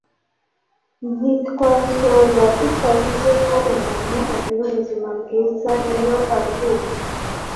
Ntitwasoza tutavuze ko umuntu agira ubuzima bwiza iyo aruhuka.